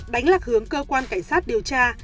đánh lạc hướng cơ quan cảnh sát điều tra